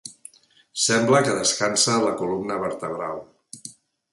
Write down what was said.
Sembla que descansa la columna vertebral.